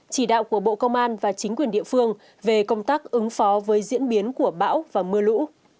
chỉ đạo của bộ công an và chính quyền địa phương về công tác ứng phó với diễn biến của bão và mưa lũ